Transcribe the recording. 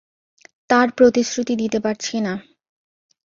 তার প্রতিশ্রুতি দিতে পারছি না।